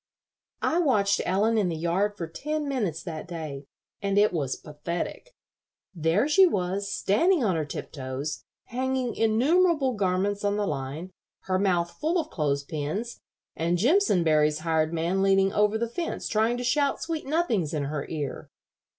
I watched Ellen in the yard for ten minutes that day, and it was pathetic. There she was, standing on her tiptoes, hanging innumerable garments on the line, her mouth full of clothes pins, and Jimpsonberry's hired man leaning over the fence trying to shout sweet nothings in her ear.